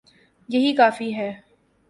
یہی کافی ہے۔